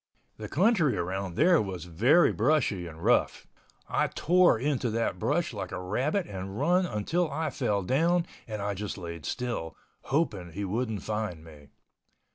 The country around there was very brushy and rough. I tore into that brush like a rabbit and run until I fell down and I just laid still, hoping he wouldn't find me.